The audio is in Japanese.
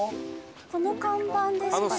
この看板ですかね？